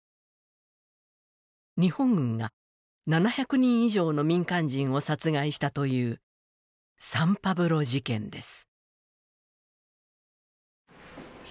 日本軍が７００人以上の民間人を殺害したというサンパブロ事件です。